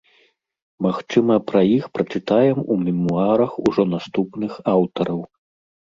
Магчыма, пра іх прачытаем у мемуарах ужо наступных аўтараў.